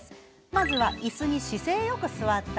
まずは、いすに姿勢よく座った